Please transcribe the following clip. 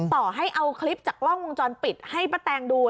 ต่อให้เอาคลิปจากกล้องวงจรปิดให้ป้าแตงดู